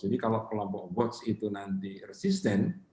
jadi kalau kelompok warts itu nanti resisten